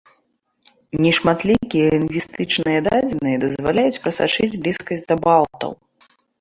Нешматлікія лінгвістычныя дадзеныя дазваляюць прасачыць блізкасць да балтаў.